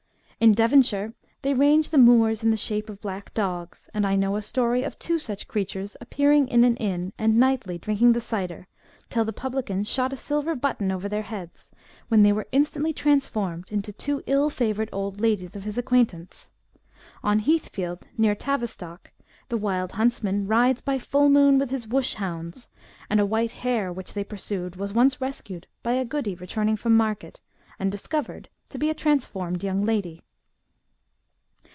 In Devonshire they range the moors in the shape of black dogs, and I know a story of tvo such creatures appearing in an inn and nightly drinking the cider, till the publican shot a silver button over their heads, when they were instantly transformed into two ill favoured old ladies of his acquaintance. On Heathfield, near Tavi stock, the wild huntsman rides by full moon with his " wush hounds ;" and a white hare which they pursued was once rescued by a goody returning from market, and discovered to be a transformed young lady.